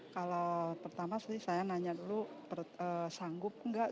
kalau pertama saya nanya dulu sanggup gak